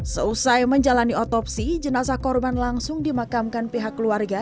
seusai menjalani otopsi jenazah korban langsung dimakamkan pihak keluarga